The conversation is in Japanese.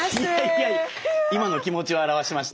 いやいや今の気持ちを表しました。